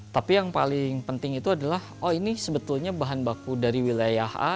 tapi yang paling penting itu adalah oh ini sebetulnya bahan baku dari wilayah a